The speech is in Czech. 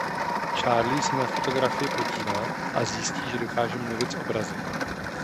Charlie se na fotografii podívá a zjistí že dokáže mluvit s obrazy.